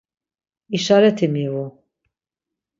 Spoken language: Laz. İşareti mivu.